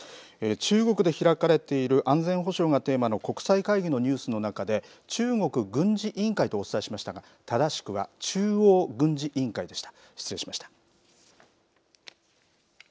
中国で開かれている安全保障がテーマの国際会議のニュースの中で、中国軍事委員会とお伝えしましたが、正しくは中央軍事委員会でした。